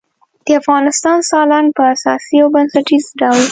د افغانستان سالنګ په اساسي او بنسټیز ډول